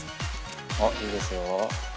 おっいいですよ。